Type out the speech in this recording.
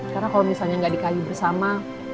karena kalau misalnya nggak dikayu bersama